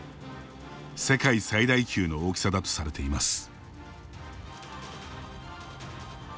世界最大級の大きさだとされています。